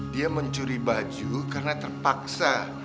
dia mencuri baju karena terpaksa